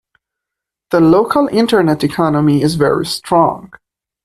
The local internet economy is very strong.